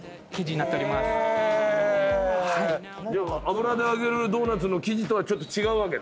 油で揚げるドーナツの生地とはちょっと違うわけだ。